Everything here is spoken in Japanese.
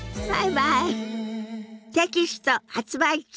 テキスト発売中！